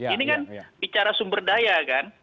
ini kan bicara sumber daya kan